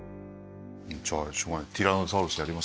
じゃあしょうがない。